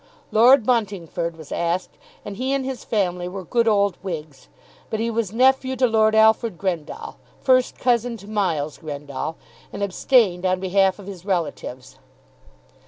Lord Buntingford was asked, and he and his family were good old Whigs. But he was nephew to Lord Alfred Grendall, first cousin to Miles Grendall, and abstained on behalf of his relatives.